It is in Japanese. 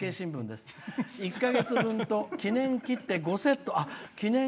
１か月分と記念切手５セット」。